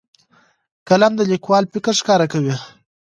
قلم د لیکوال فکر ښکاره کوي.